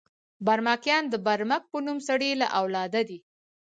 برمکیان د برمک په نوم سړي له اولاده دي.